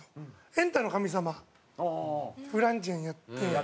『エンタの神様』フランチェンやって。